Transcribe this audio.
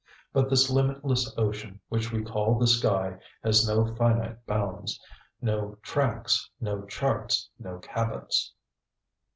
But this limitless ocean which we call the sky has no finite bounds, no tracks, no charts, no Cabots.